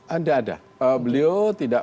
ada ada beliau tidak